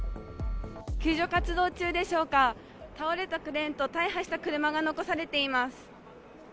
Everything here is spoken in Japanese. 救助活動中でしょうか、現場には倒れたクレーンと大破した車が残されています。